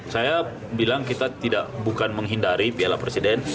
saya bilang kita bukan menghindari piala presiden